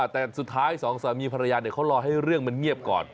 แต่สุดท้ายสองสามีภรรยาเขารอให้เรื่องมันเงียบก่อน